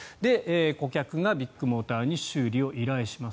顧客がビッグモーターに修理を依頼します。